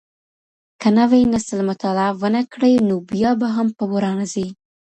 که نوی نسل مطالعه ونه کړي نو بیا به هم په ورانه ځي.